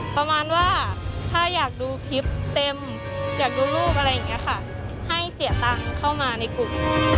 ประมาณว่าถ้าอยากดูคลิปเต็มอยากดูรูปอะไรอย่างนี้ค่ะให้เสียตังค์เข้ามาในกลุ่ม